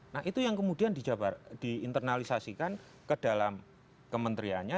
nah itu yang kemudian diinternalisasikan ke dalam kementeriannya